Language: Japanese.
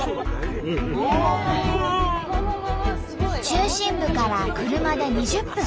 中心部から車で２０分。